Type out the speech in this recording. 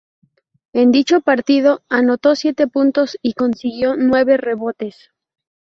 En dicho partido anotó siete puntos y consiguió nueve rebotes.